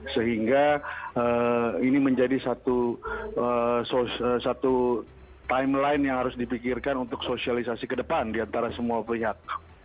sehingga ini menjadi satu timeline yang harus dipikirkan untuk sosialisasi ke depan diantara semua pihak